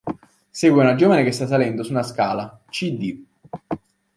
Segue un giovane che sta salendo su una scala, cd.